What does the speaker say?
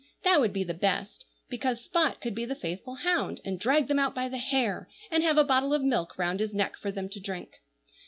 That would be the best, because Spot could be the faithful hound, and drag them out by the hair, and have a bottle of milk round his neck for them to drink.